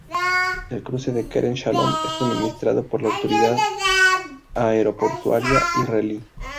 El cruce de Kerem Shalom es administrado por la Autoridad Aeroportuaria Israelí.